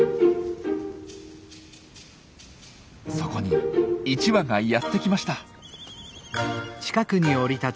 そこに１羽がやって来ました。